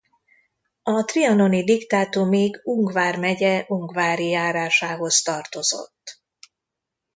A trianoni diktátumig Ung vármegye Ungvári járásához tartozott.